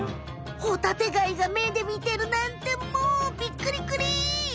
ホタテガイが目で見てるなんてもうビックリクリ！